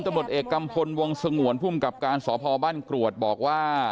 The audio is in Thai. ท่านตมติเอกกรรมพลวงสงวนพุ่มกับการสพบันกรวดบอกว่า